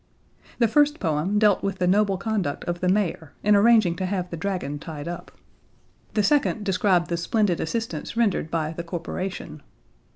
The first poem dealt with the noble conduct of the mayor in arranging to have the dragon tied up. The second described the splendid assistance rendered by the corporation.